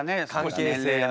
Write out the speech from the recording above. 関係性が。